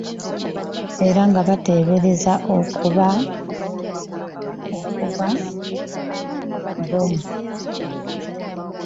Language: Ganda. Era nga byateeberezebwa okuba bbomu